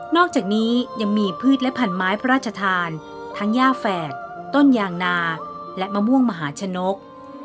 อกจากนี้ยังมีพืชและพันไม้พระราชทานทั้งย่าแฝดต้นยางนาและมะม่วงมหาชนก